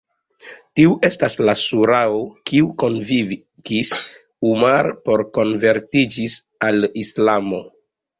Tiu estas la Surao kiu konvinkis Umar por konvertiĝis al Islamo.